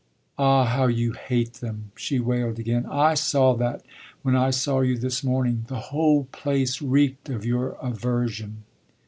"Ah how you hate them!" she wailed again. "I saw that when I saw you this morning. The whole place reeked of your aversion."